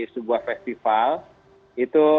sebuah festival itu